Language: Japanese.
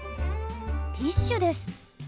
ティッシュです。